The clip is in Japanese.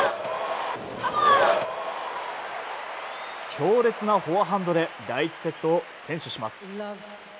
強烈なフォアハンドで第１セットを先取します。